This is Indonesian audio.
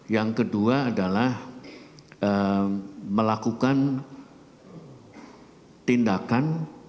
yang kedua adalah melakukan tindakan